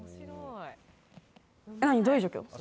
何、どういう状況？